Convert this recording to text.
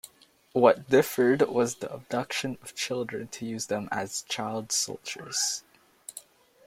What differed was the abduction of children to use them as child soldiers.